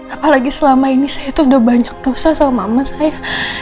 apalagi selama ini saya tuh udah banyak dosa sama mama saya